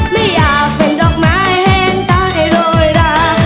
ไม่อยากเป็นดอกไม้แห้งใต้โดดา